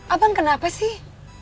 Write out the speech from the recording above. abang kenapa sih